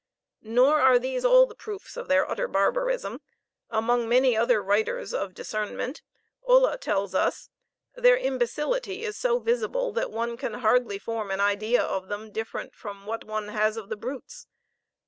Nor are these all the proofs of their utter barbarism; among many other writers of discernment, Ulla tells us, "their imbecility is so visible that one can hardly form an idea of them different from what one has of the brutes.